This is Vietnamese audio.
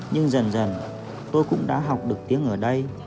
nhưng dần dần tôi cũng đã học được tiếng ở đây